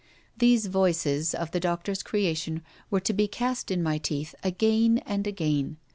These 'voices' of the doctor's creation were to be cast in my teeth again and again.